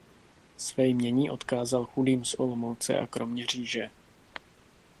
Své jmění odkázal chudým z Olomouce a Kroměříže.